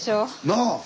なあ。